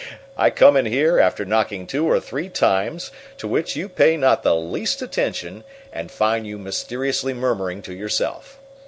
I come in here, after knocking two or three times, to which you pay not the least attention, and find you mysteriously murmuring to yourself.